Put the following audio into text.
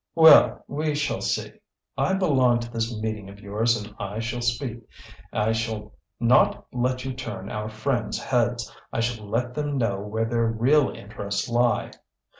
"Well, we shall see. I belong to this meeting of yours, and I shall speak. I shall not let you turn our friends' heads, I shall let them know where their real interests lie.